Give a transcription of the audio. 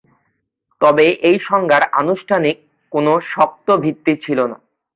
তবে এই সংজ্ঞার আনুষ্ঠানিক কোন শক্ত ভিত্তি ছিল না।